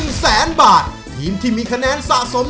โดยการแข่งขาวของทีมเด็กเสียงดีจำนวนสองทีม